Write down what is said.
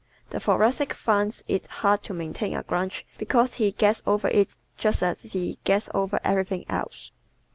The Thoracic finds it hard to maintain a grudge because he gets over it just as he gets over everything else.